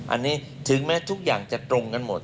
อันนี้ถึงแม้ทุกอย่างจะตรงกันหมด